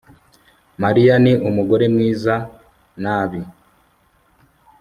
mariya ni umugore mwiza nabi